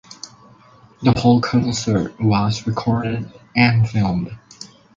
The whole concert was recorded and filmed.